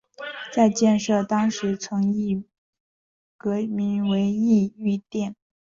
在建设当时成巽阁名为巽御殿。